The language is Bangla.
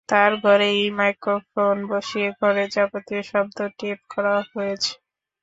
তার ঘরে একটি মাইক্রোফোন বসিয়ে ঘরের যাবতীয় শব্দ টেপ করা হয়েছে।